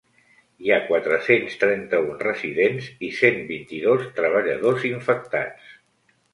Hi ha quatre-cents trenta-un residents i cent vint-i-dos treballadors infectats.